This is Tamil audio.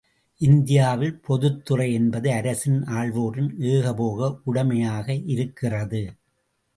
இந்தியாவில் பொதுத் துறை என்பது அரசின் ஆள்வோரின் ஏகபோக உடைமையாக இருக்கிறது.